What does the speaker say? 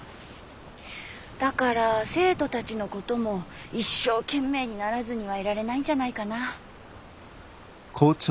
だから生徒たちのことも一生懸命にならずにはいられないんじゃないかな。